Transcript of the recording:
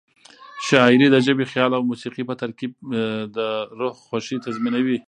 شاعري د ژبې، خیال او موسيقۍ په ترکیب د روح خوښي تضمینوي.